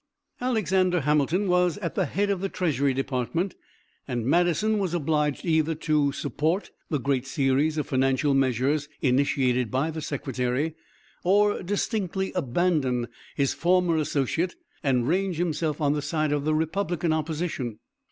Alexander Hamilton was at the head of the treasury department and Madison was obliged either to support the great series of financial measures initiated by the secretary, or distinctly abandon his former associate and range himself on the side of the republican opposition.